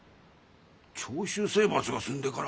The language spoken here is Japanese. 長州征伐が済んでから？